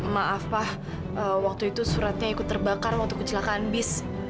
maaf pak waktu itu suratnya ikut terbakar waktu kecelakaan bus